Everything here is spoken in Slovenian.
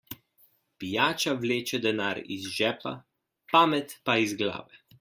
Pijača vleče denar iz žepa, pamet pa iz glave.